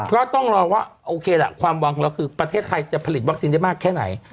ก็ต้องรอว่าโอเคล่ะความหวังของเราคือประเทศไทยจะผลิตวัคซีนได้มากแค่ไหน